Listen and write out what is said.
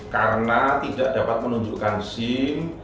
karena tidak dapat menunjukkan sim